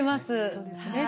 そうですね。